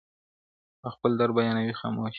او خپل درد بيانوي خاموشه-